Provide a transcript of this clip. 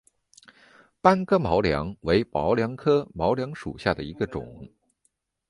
班戈毛茛为毛茛科毛茛属下的一个种。